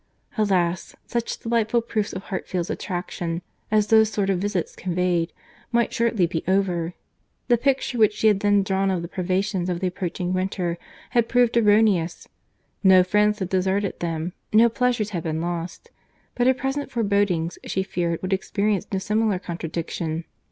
Alas! such delightful proofs of Hartfield's attraction, as those sort of visits conveyed, might shortly be over. The picture which she had then drawn of the privations of the approaching winter, had proved erroneous; no friends had deserted them, no pleasures had been lost.—But her present forebodings she feared would experience no similar contradiction.